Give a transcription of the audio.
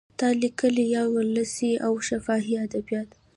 نا لیکلي یا ولسي او شفاهي ادبیات